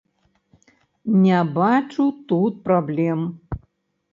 Не бачу тут праблем.